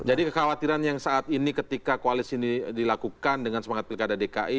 jadi kekhawatiran yang saat ini ketika koalisi ini dilakukan dengan semangat pilkada dki